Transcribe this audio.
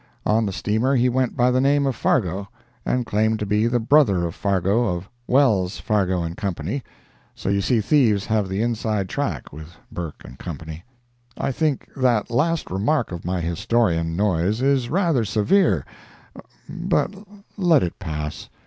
On the steamer he went by the name of Fargo, and claimed to be a brother of Fargo, of Wells, Fargo & Co. So you see thieves have the inside track with Burke & Co. I think that last remark of my historian, Noyes, is rather severe, but let it pass.